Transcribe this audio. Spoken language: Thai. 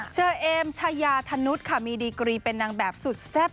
เชอเอมชายาธนุษย์ค่ะมีดีกรีเป็นนางแบบสุดแซ่บ